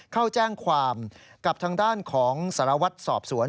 เข้าแจ้งความกับทางด้านของสารวัตรสอบสวน